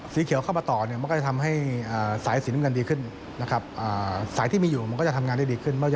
สีเขียวเข้ามาต่อจะทำให้สายศีลเลือนดีขึ้น